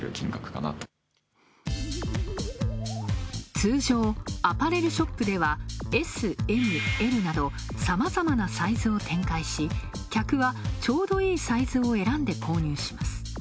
通常アパレルショップでは、Ｓ・Ｍ・Ｌなど、さまざまなサイズを展開し客はちょうどいいサイズを選んで購入します。